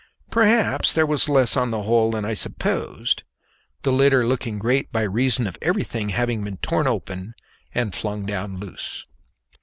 Perhaps there was less on the whole than I supposed, the litter looking great by reason of everything having been torn open and flung down loose.